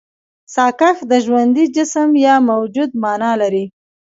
ساکښ د ژوندي جسم يا موجود مانا لري.